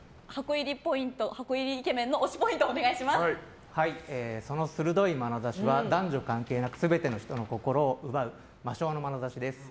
箱入りイケメンのその鋭いまなざしは男女関係なく全ての人の心を奪う魔性のまなざしです。